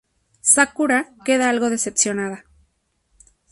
Sakura queda algo decepcionada.